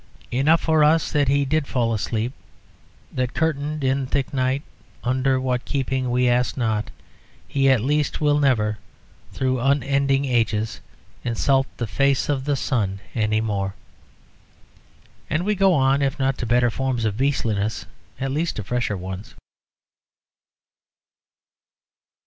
"Enough for us that he did fall asleep; that, curtained in thick night, under what keeping we ask not, he at least will never, through unending ages, insult the face of the sun any more ... and we go on, if not to better forms of beastliness, at least to fresher ones."